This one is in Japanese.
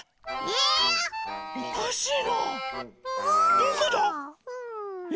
どこだ？え？